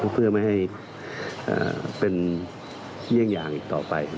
เพื่อไม่ให้เป็นเยี่ยงอย่างต่อไป